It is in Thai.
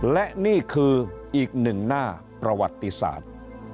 และนี่คืออีกหนึ่งหน้าประวัติศาสตร์